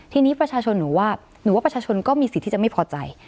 ทีนี้ประชาชนหนูว่าหนูว่าประชาชนก็มีสิทธิ์ที่จะไม่พอใจ